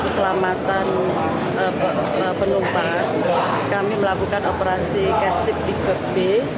selamatan penumpang kami melakukan operasi kestip di gepi